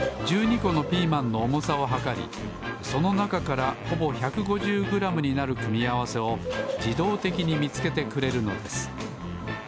このピーマンのおもさをはかりそのなかからほぼ１５０グラムになる組み合わせをじどうてきにみつけてくれるのです。